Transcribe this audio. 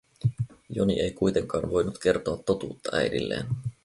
Joni ei kuitenkaan voinut kertoa totuutta äidilleen.